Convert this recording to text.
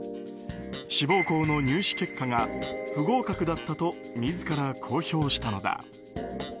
志望校の入試結果が不合格だったと自ら公表したのだ。